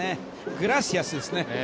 グラシアスですね。